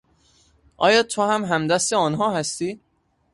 آیا توهم همدست آنها هستی؟